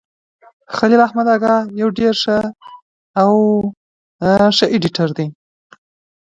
Dumbarton Oaks Park Conservancy has been formed to provide restoration.